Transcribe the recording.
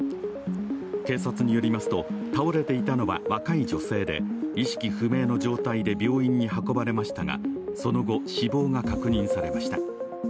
警察によりますと、倒れていたのは若い女性で、意識不明の状態で病院に運ばれましたがその後、死亡が確認されました。